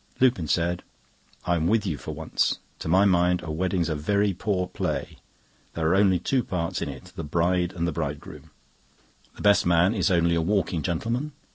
Lupin said: "I am with you for once. To my mind a wedding's a very poor play. There are only two parts in it—the bride and bridegroom. The best man is only a walking gentleman.